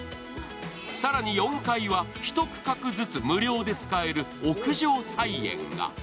更に４階は１区画ずつ無料で使える屋上菜園が。